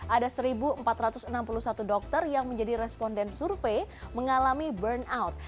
ada satu empat ratus enam puluh satu dokter yang menjadi responden survei mengalami burnout